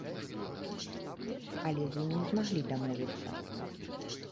Але з ім не змаглі дамовіцца.